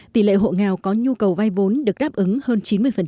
tỷ lệ hộ nghèo có nhu cầu vay vốn được đáp ứng hơn chín mươi